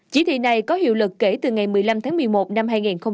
chỉ thị này có hiệu lực kể từ ngày một mươi năm tháng một mươi một năm hai nghìn hai mươi